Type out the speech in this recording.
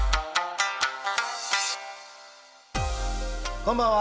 こんばんは。